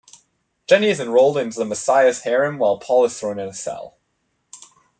Jenny is enrolled into the Messiah's harem while Paul is thrown in a cell.